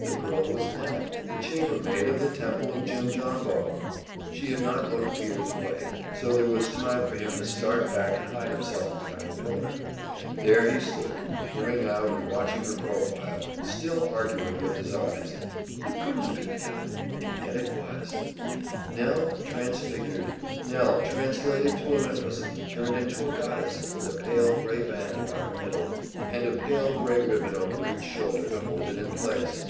The girl was Nell, the chambermaid of the Temple of Jimjambo! She had not looked Peter's way, so there was time for him to start back and hide himself behind a pillar; there he stood, peering out and watching her profile, still arguing with his eyes. It couldn't be Nell; and yet it was! Nell transfigured, Nell translated to Olympus, turned into a goddess with a pale grey band about her middle, and a pale grey ribbon over each shoulder to hold it in place!